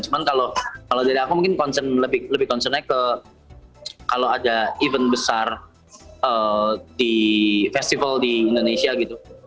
cuman kalau dari aku mungkin concern lebih concernnya ke kalau ada event besar di festival di indonesia gitu